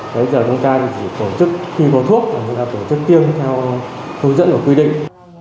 bây giờ chúng ta chỉ tổ chức khi có thuốc và người ta tổ chức tiêm theo hướng dẫn của quy định